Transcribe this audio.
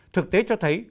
thực tế cho thấy